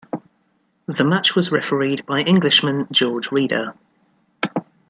The match was refereed by Englishman George Reader.